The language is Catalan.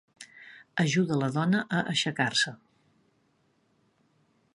Ajuda la dona a aixecar-se.